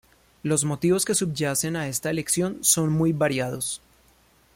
Los motivos que subyacen a esta elección son muy variados.